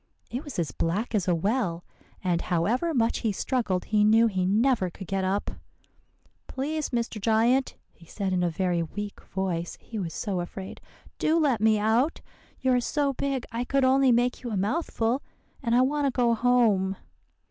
It was as black as a well; and however much he struggled, he knew he never could get up. "'Please, Mr. Giant,' he said in a very weak voice, he was so afraid, 'do let me out. You are so big I could only make you a mouthful, and I want to go home.